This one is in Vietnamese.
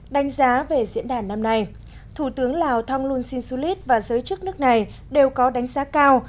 đánh giá về diễn đàn năm nay thủ tướng lào thông luân sinh sulit và giới chức nước này đều có đánh giá cao